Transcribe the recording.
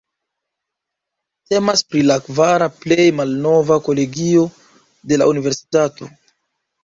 Temas pri la kvara plej malnova kolegio de la Universitato.